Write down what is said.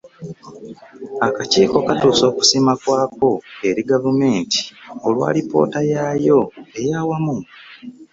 Akakiiko katuusa okusiima kwako eri Gavumenti olw’alipoota yaayo ey’awamu.